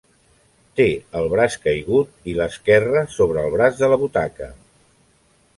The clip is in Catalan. Té el braç caigut i l'esquerra sobre el braç de la butaca.